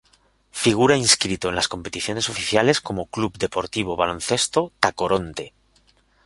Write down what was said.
Figura inscrito en las competiciones oficiales como Club Deportivo Baloncesto Tacoronte.